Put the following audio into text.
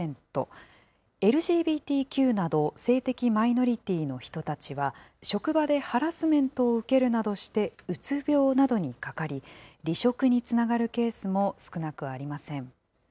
ＬＧＢＴＱなど、性的マイノリティーの人たちは、職場でハラスメントを受けるなどしてうつ病などにかかり、離職につながるケースも少なくありません。